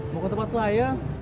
mau ke tempat layang